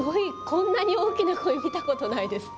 こんなに大きなコイ見たことないです。